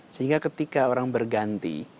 sehingga ketika orang berganti